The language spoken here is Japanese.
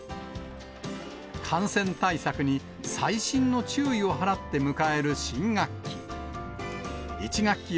感染対策に細心の注意を払って迎える新学期。